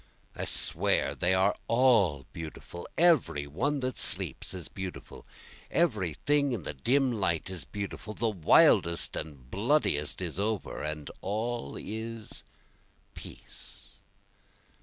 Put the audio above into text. I swear they are all beautiful, Every one that sleeps is beautiful, every thing in the dim light is beautiful, The wildest and bloodiest is over, and all is peace.